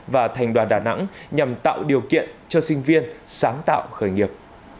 và thành đoàn đà nẵng nhằm tạo điều kiện cho sinh viên sáng tạo khởi nghiệp